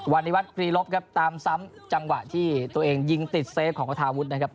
วันนี้วัดกรีลบครับตามซ้ำจังหวะที่ตัวเองยิงติดเซฟของกระทาวุฒินะครับ